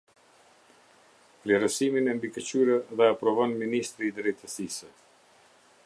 Vlerësimin e mbikëqyrë dhe aprovon Ministri i Drejtësisë.